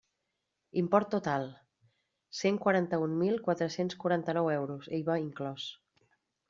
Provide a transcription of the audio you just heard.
Import total: cent quaranta-un mil quatre-cents quaranta-nou euros, IVA inclòs.